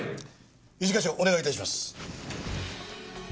一課長お願い致します。